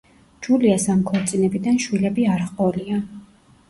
ჯულიას ამ ქორწინებიდან შვილები არ ჰყოლია.